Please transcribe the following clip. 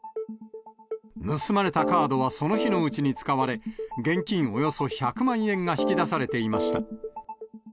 盗まれたカードはその日のうちに使われ、現金およそ１００万円が引き出されていました。